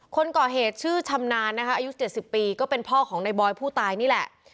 คนก่อเหตุชื่อชำนาญนะคะอายุ๗๐ปีก็เป็นพ่อของในบอยผู้ตายนี่แหละ